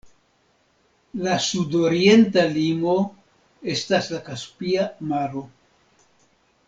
La sudorienta limo estas la Kaspia Maro.